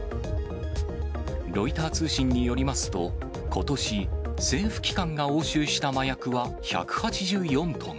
ロイター通信によりますと、ことし政府機関が押収した麻薬は１８４トン。